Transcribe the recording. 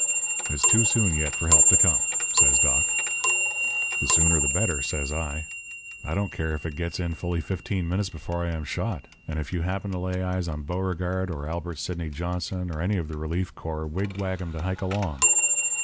"'It's too soon yet for help to come,' says Doc. "'The sooner the better,' says I. 'I don't care if it gets in fully fifteen minutes before I am shot; and if you happen to lay eyes on Beauregard or Albert Sidney Johnston or any of the relief corps, wig wag 'em to hike along.'